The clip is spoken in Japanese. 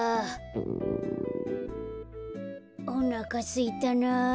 おなかすいたな。